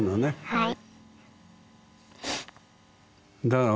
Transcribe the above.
はい。